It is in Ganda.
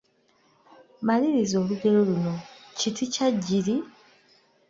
Maliriza olugero luno: Kiti kya jjiiri, …..